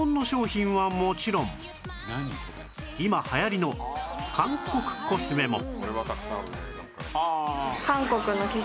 今流行りの韓国コスメも